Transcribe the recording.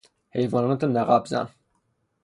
حیوانات نقب زن